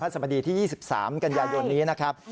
สมดีที่๒๓กันยายนนี้นะครับ